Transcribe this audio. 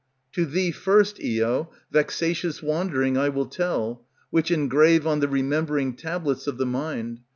To thee first, Io, vexatious wandering I will tell, Which engrave on the remembering tablets of the mind.